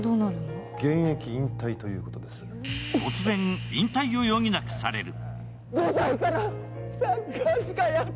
突然、引退を余儀なくされる。